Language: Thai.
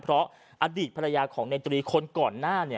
เพราะอดีตภรรยาของในตรีคนก่อนหน้า